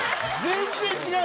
全然違う！